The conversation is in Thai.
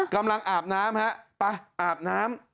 กำลังอาบน้ำฮะปะอาบน้ำ